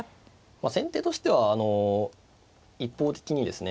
先手としてはあの一方的にですね